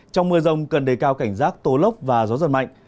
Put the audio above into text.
trong mưa rông cần đề cao cảnh giác tố lốc và gió giật mạnh